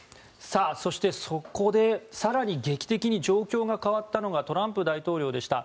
そして、そこで更に劇的に状況が変わったのがトランプ大統領でした。